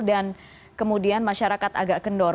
dan kemudian masyarakat agak kendor